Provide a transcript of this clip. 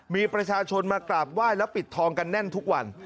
มีประชาชนมากราบไหว้แล้วปิดทองกันแน่นทุกวัน